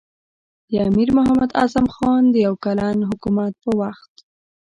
د امیر محمد اعظم خان د یو کلن حکومت په وخت.